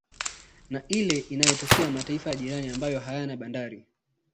Ni ile inayotokea mataifa ya jirani ambayo hayana bandari